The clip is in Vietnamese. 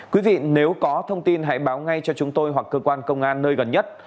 quý vị nếu có thông tin hãy báo ngay cho chúng tôi hoặc cơ quan công an nơi gần nhất